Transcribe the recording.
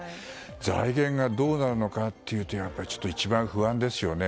財源がどうなるのかというとそれが一番不安ですよね。